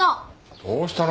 どうしたの？